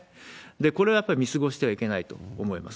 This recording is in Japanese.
これ、やっぱり見過ごしてはいけないと思います。